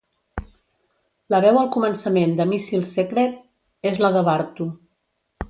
La veu al començament de "Missile Secret" és la de Bartu.